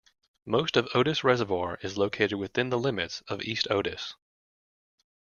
Most of Otis Reservoir is located within the limits of East Otis.